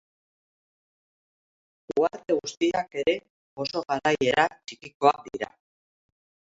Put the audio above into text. Uharte guztiak ere oso garaiera txikikoak dira.